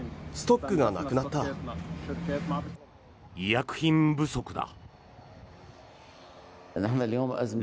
医薬品不足だ。